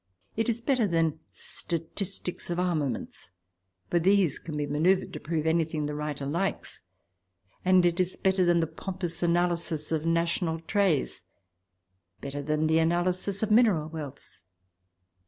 It is better than statistics of armaments, for these can be manoeuvred to prove anything the writer likes ; it is better than the pompous analysis of national traits, better than the analysis of mineral wealths.